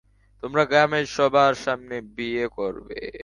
তোমরা গ্রামের সবার সামনে বিয়ে করবে?